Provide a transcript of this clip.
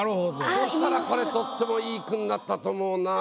そうしたらこれとっても良い句になったと思うなぁ。